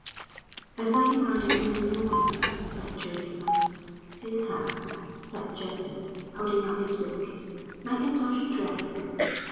"I saw him riding home this morning," said Teresa. "Here's how," said Jervis, holding up his whisky. Mackintosh drank.